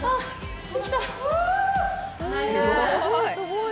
すごい！